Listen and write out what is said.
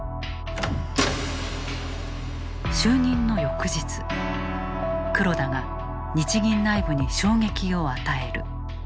就任の翌日黒田が日銀内部に衝撃を与える。